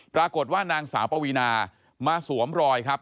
ปรากฏว่านางสาวปวีนามาสวมรอยครับ